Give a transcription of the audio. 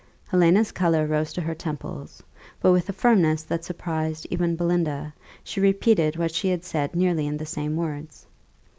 Helena's colour rose to her temples; but, with a firmness that surprised even Belinda, she repeated what she had said nearly in the same words.